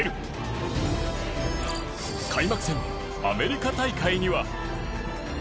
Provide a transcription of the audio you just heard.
開幕戦アメリカ大会には。